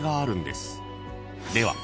［では